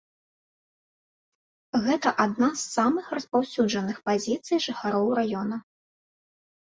Гэта адна з самых распаўсюджаных пазіцый жыхароў раёна.